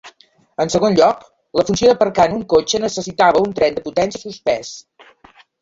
En segon lloc, la funció d'aparcar en un cotxe necessitava un tren de potència suspès.